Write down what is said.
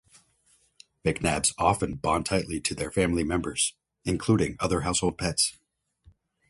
McNabs often bond tightly to their family members, including other household pets.